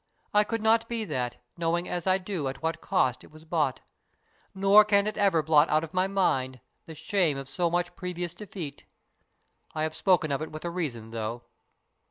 I could not be that, knowing as I do at what cost it was bought. Nor can it ever blot out of my mind the shame of so much previous defeat. I have spoken of it with a reason, though."